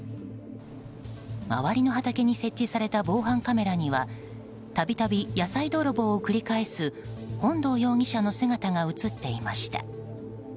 周りの畑に設置された防犯カメラには度々、野菜泥棒を繰り返す本堂容疑者の姿が映っていました。